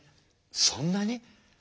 そんなに？